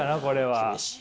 これは。